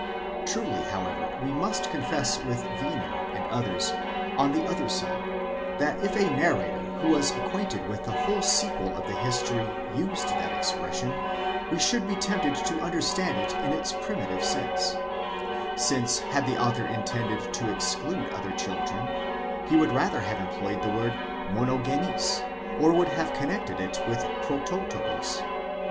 Truly however we must confess with Winer 11 and others, on the other side, that if a narrator who was ac quainted with the whole sequel of the history used that expression, we should be tempted to understand it in its primitive sense ; since had the author in tended to exclude other children, he would rather have employed the word μονογενὴς, or would have connected it with πρωτότοκος.